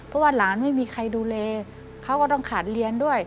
เพราะว่าหลานไม่มีใครดูแลเขาก็ต้องขาดเรียนด้วย